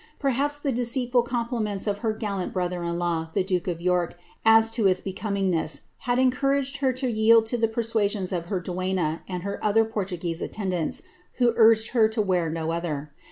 Perhaps the deceitful compliments of her gallant her iu law, the duke of York, as to its becomingness, had encou 1 her to yield to the persuasions of her duenna and her other For »e attendants, who urged her to wear no other.